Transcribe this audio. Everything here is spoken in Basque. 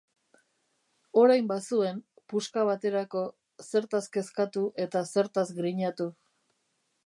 Orain bazuen, puska baterako, zertaz kezkatu eta zertaz grinatu.